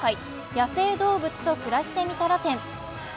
「野生動物と暮らしてみたら展」。